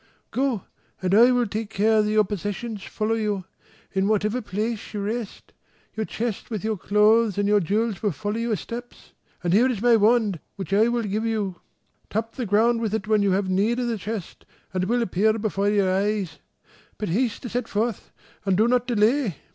Go, and I will take care that your possessions follow you; in whatever place you rest, your chest with your clothes and your jewels will follow your steps, and here is my wand which I will give you: tap the ground with it when you have need of the chest, and it will appear before your eyes: but haste to set forth, and do not delay."